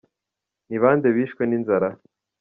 – Ni bande bishwe n’inzara ?